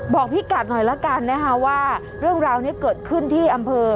บอกพี่กัดหน่อยละกันนะคะว่าเรื่องราวนี้เกิดขึ้นที่อำเภอ